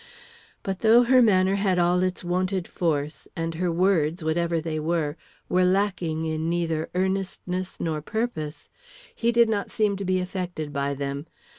But, though her manner had all its wonted force, and her words, whatever they were, were lacking in neither earnestness nor purpose, he did not seem to be affected by them.